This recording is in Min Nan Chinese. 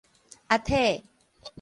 阿宅